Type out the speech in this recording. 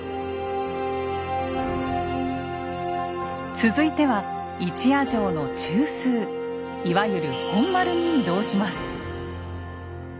続いては一夜城の中枢いわゆる本丸に移動します。